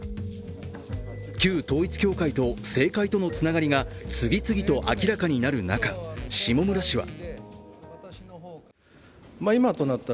旧統一教会と政界とのつながりが次々と明らかになる中、下村氏は。